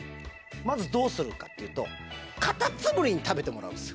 まずどうするかっていうとカタツムリに食べてもらうんです